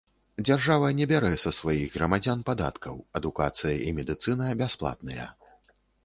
Дзяржава не бярэ са сваіх грамадзян падаткаў, адукацыя і медыцына бясплатныя.